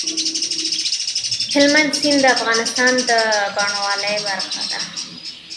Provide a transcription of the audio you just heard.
هلمند سیند د افغانستان د بڼوالۍ برخه ده.